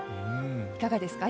いかがですか？